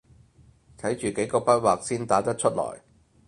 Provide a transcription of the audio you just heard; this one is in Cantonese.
睇住幾個筆劃先打得出來